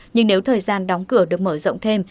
nhưng nếu thời gian đóng cửa được mở rộng thêm